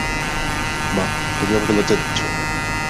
মা, তুমি আমাকে লজ্জা দিচ্ছো।